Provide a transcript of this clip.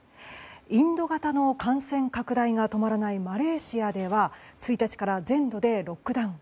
インド型の感染拡大が止まらないマレーシアでは１日から、全土でロックダウン。